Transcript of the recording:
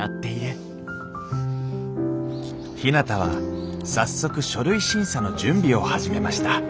ひなたは早速書類審査の準備を始めました